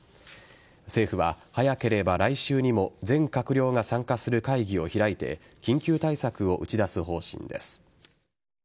政府は早ければ来週にも全閣僚が参加する会議を開いて緊急対策を打ち出す方針です。